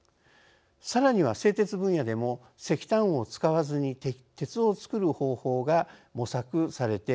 さらには製鉄分野でも石炭を使わずに鉄を作る方法が模索されています。